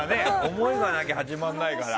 思いがなきゃ始まらないから。